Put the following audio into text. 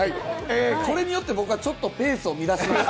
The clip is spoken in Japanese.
これによって僕がちょっとペースを乱しました。